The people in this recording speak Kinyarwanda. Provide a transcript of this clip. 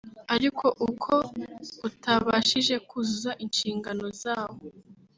ari uko utabashije kuzuza inshingano zawo